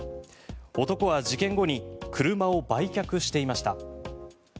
男は事件後に車を売却していました。